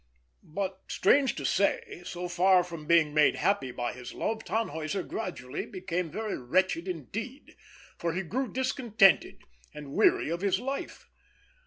But, strange to say, so far from being made happy by his love, Tannhäuser gradually became very wretched indeed, for he grew discontented and weary of his life.